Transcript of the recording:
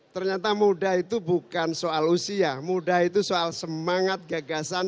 ternyata muda itu bukan soal usia muda itu soal semangat gagasan